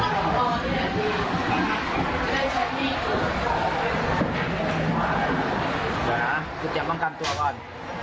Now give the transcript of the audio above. ต่อที่ไหนดีจะได้เช็คนี้ต้องการตัวก่อน